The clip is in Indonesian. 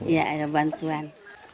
iya ada bantuan